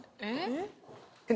えっ？